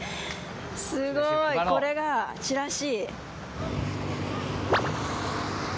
すごい！これがチラシ。